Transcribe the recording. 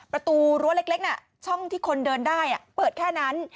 ประตูรั้วเล็กน่ะช่องที่คนเดินได้เปิดแค่นั้น